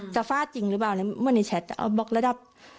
จะฟาดจริงหรือเปล่ามันในแชทบอกระดับ